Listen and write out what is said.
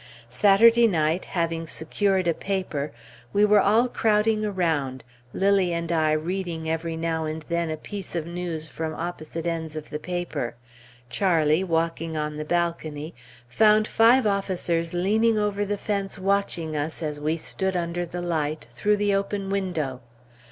Saturday night, having secured a paper, we were all crowding around, Lilly and I reading every now and then a piece of news from opposite ends of the paper, Charlie, walking on the balcony, found five officers leaning over the fence watching us as we stood under the light, through the open window.